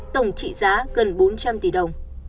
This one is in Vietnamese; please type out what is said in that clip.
tổng trị giá gần bốn trăm linh tỷ đồng